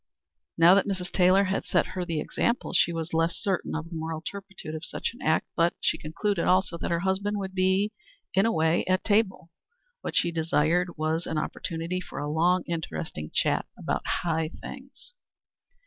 Now that Mrs. Taylor had set her the example, she was less certain of the moral turpitude of such an act, but she concluded also that her husband would be in the way at table. What she desired was an opportunity for a long, interesting chat about high things.